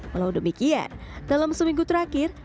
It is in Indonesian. walau demikian dalam seminggu terakhir